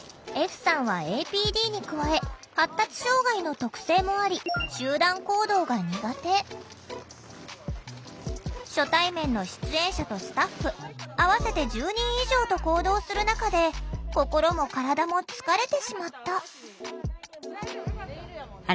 歩さんはＡＰＤに加え発達障害の特性もあり初対面の出演者とスタッフ合わせて１０人以上と行動する中で心も体も疲れてしまった。